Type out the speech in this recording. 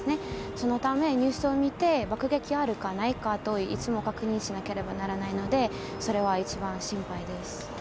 そのため、ニュースを見て爆撃あるか、ないかをいつも確認しなければならないのでそれは、一番心配です。